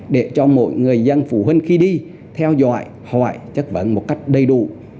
để cho mỗi người dân phụ huynh khi đi theo dõi hỏi chất vấn một cách đầy đủ